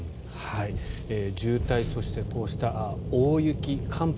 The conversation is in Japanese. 渋滞そしてこうした大雪、寒波。